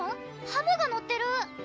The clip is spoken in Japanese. ハムがのってる！